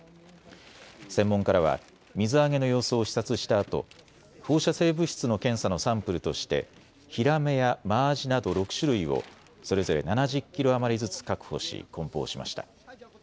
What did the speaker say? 専門家らは水揚げの様子を視察したあと放射性物質の検査のサンプルとしてヒラメやマアジなど６種類をそれぞれ７０キロ余りずつ確保しこん包しました。